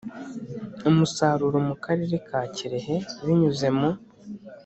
Umusaruro mu Karere ka Kirehe binyuze mu